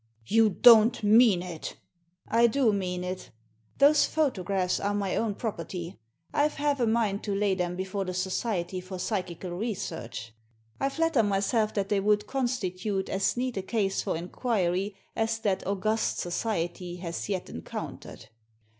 "You don't mean it!" " I do mean it Those photographs are my own property. I've half a mind to lay them before the Society for Psychical Research. I flatter myself that they would constitute as neat a case for inquiry as that august society has yet encountered."